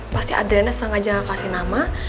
pasti adriana sengaja gak kasih nama